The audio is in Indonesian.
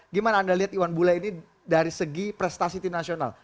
gimana anda lihat iwan bule ini dari segi prestasi tim nasional